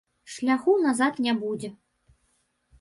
Шляху назад не будзе.